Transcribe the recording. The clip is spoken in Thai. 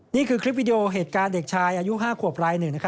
นี่คือคลิปวิดีโอเหตุการณ์เด็กชายอายุ๕ขวบรายหนึ่ง